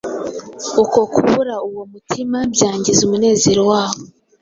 Uko kubura uwo mutima byangiza umunezero wabo